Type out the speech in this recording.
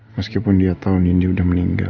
meskipun dia tahu nindi udah meninggal